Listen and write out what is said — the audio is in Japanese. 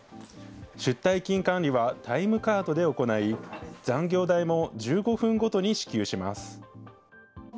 出退勤管理はタイムカードで行い、残業代も１５分ごとに支給します。